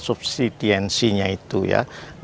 subsidiansinya itu ya